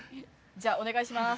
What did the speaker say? じゃあお願いします。